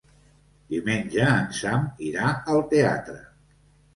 Diumenge en Sam irà al teatre.